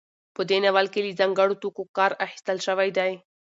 په دې ناول کې له ځانګړو توکو کار اخیستل شوی دی.